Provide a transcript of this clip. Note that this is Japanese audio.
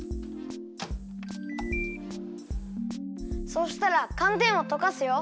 そうしたらかんてんをとかすよ。